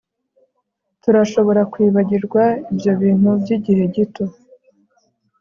Turashobora kwibagirwa ibyo bintu byigihe gito